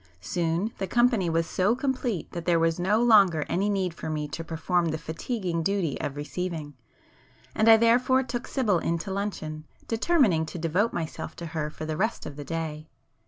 Soon the company was so complete that there was no longer any need for me to perform the fatiguing duty of 'receiving'; and I therefore took Sibyl in to luncheon, determining to devote [p 266] myself to her for the rest of the day.